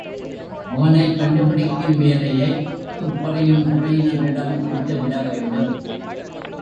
அவனைக் கண்டுபிடிக்கும் வேலையைத் துப்பறியும் துறையினரிடம் விட்டுவிட வேண்டும்.